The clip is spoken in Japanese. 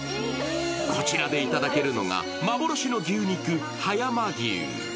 こちらでいただけるのが幻の牛肉、葉山牛。